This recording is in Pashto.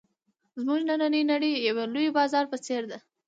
زموږ نننۍ نړۍ د یوه لوی بازار په څېر ده.